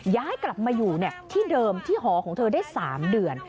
ย้ายกลับมาอยู่ที่เดิมที่หอของเธอได้๓เดือน